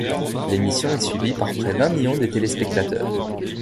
L'émission est suivie par près d'un million de téléspectateurs.